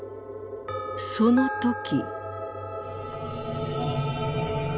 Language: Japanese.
その時」。